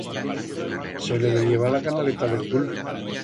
Se le veyeba la canaleta d'el cul.